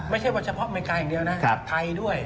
ไม่ใช่ว่าเฉพาะอเมริกาอย่างเดียวนะไทยด้วย